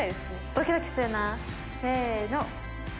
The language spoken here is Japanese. ドキドキするなせの。